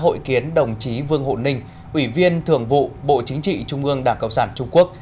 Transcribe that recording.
hội kiến đồng chí vương hộ ninh ủy viên thường vụ bộ chính trị trung ương đảng cộng sản trung quốc